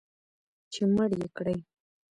چې مړ یې کړي